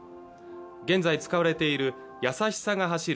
現在使われているやさしさが走る